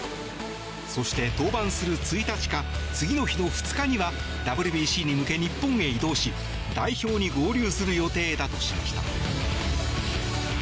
そして、登板する１日か次の日の２日にはＷＢＣに向け日本へ移動し代表に合流する予定だとしました。